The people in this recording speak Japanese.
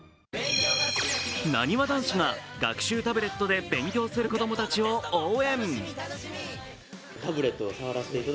なにわ男子が学習タブレットで勉強する子供たちを応援。